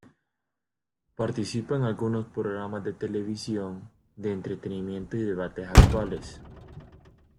Participa en algunos programas de televisión de entretenimiento y debates actuales.